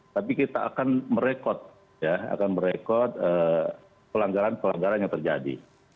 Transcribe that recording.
tapi kita akan merekod ya akan merekod pelanggaran pelanggaran yang terjadi